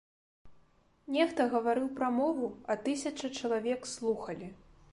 Нехта гаварыў прамову, а тысяча чалавек слухалі.